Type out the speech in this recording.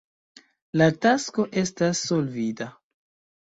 La tasko estas solvita.